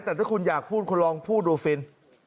แต่ถ้าคุณอยากพูดคุณลองพูดดูฟิน